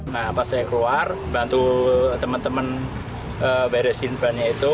nah pas saya keluar bantu teman teman beresin bannya itu